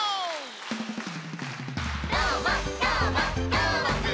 「どーもどーもどーもくん！」